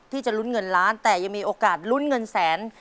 ที่จะลุ้นเงินล้านแต่ยังมีโอกาสลุ้นเงินแสน